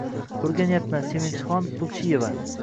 O`rganyapman Sevinchixon Pulchieva